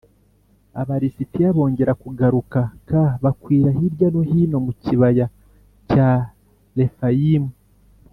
Aba lisitiya bongera kugaruka k bakwira hirya no hino mu kibaya cya Refayimu